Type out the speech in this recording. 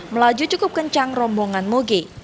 melaju cukup kencang rombongan moge